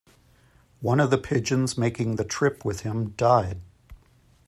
One of the pigeons making the trip with him died.